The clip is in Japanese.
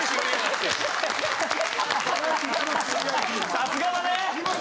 さすがだね。